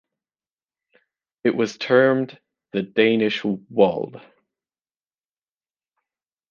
It was termed the Danish Wold.